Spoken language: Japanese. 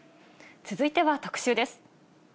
続いては特集です。